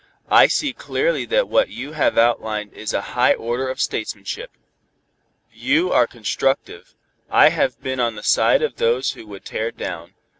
I see clearly that what you have outlined is a high order of statesmanship. You are constructive: I have been on the side of those who would tear down.